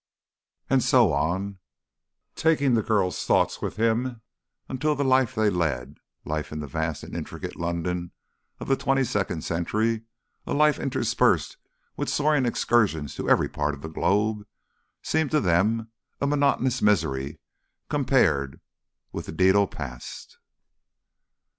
And so on, taking the girls' thoughts with him, until the life they led, life in the vast and intricate London of the twenty second century, a life interspersed with soaring excursions to every part of the globe, seemed to them a monotonous misery compared with the dædal past.